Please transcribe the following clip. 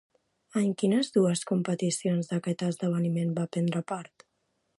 En quines dues competicions d'aquest esdeveniment va prendre part?